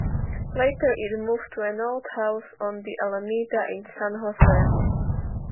Later, it moved to an old house on The Alameda in San Jose.